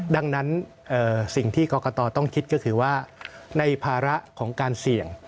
ดังนั้นสิ่งที่กรกตต้องคิดก็คือว่าในภาระของการเสี่ยง